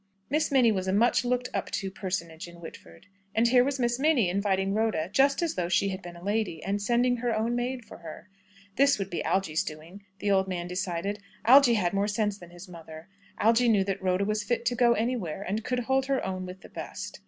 Miss Minnie was a much looked up to personage in Whitford. And here was Miss Minnie inviting Rhoda just as though she had been a lady, and sending her own maid for her. This would be Algy's doing, the old man decided. Algy had more sense than his mother. Algy knew that Rhoda was fit to go anywhere, and could hold her own with the best.